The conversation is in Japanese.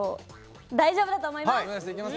大丈夫だと思います。